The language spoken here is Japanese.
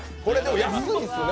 安いですよね。